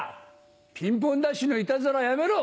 ピンポンダッシュのイタズラやめろ！